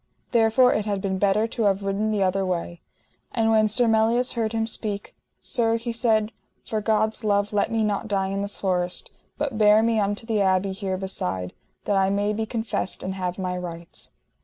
therefore it had been better to have ridden the other way. And when Sir Melias heard him speak: Sir, he said, for God's love let me not die in this forest, but bear me unto the abbey here beside, that I may be confessed and have my rights.